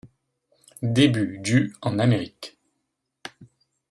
Début du en Amérique.